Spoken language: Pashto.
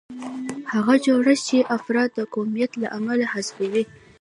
هغه جوړښت چې افراد د قومیت له امله حذفوي.